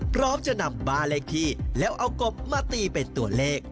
พร้อมจะนำบ้านเลขที่แล้วเอากบมาตีเป็นตัวเลข